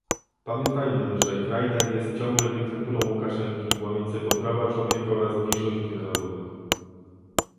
Pamiętajmy, że kraj ten jest ciągle dyktaturą Łukaszenki łamiącego prawa człowieka oraz mniejszości narodowych